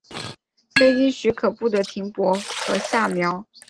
非经许可不得停泊和下锚。